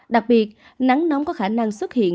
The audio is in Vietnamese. đặc biệt nắng nóng có khả năng xuất hiện